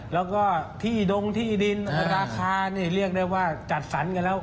แล้วก็ที่ดงที่ดินราคานี่เรียกได้ว่าจัดสรรกันแล้ว